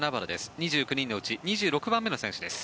２９人中２６人目の選手です。